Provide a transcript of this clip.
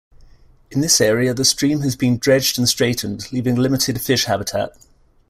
In this area the stream has been dredged and straightened leaving limited fish habitat.